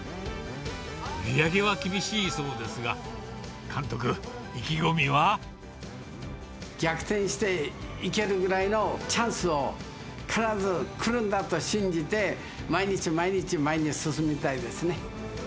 売り上げは厳しいそうですが、逆転していけるぐらいのチャンスを、必ず来るんだと信じて、毎日毎日、前に進みたいですね。